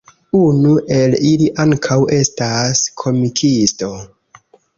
Unu el ili ankaŭ estas komikisto.